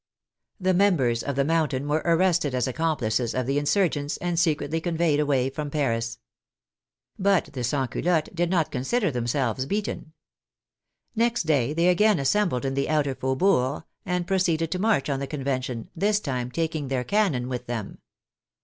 The mem bers of the " Mountain " were arrested as accomplices of the insurgents, and secretly conveyed away from Paris. But the Sansculottes did not consider themselves beaten. Next day they again assembled in the outer faubourgs and proceeded to march on the Convention, this time tak ing their cannon with them.